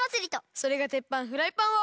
「それがテッパンフライパン」を。